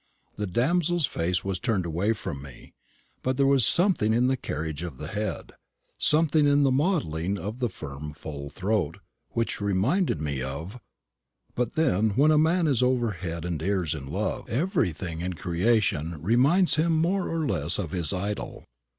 The damsel's face was turned away from me, but there was something in the carriage of the head, something in the modelling of the firm full throat, which reminded me of But then, when a man is over head and ears in love, everything in creation reminds him more or less of his idol.